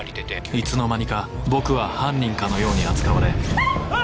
いつの間にか僕は犯人かのように扱われキャ！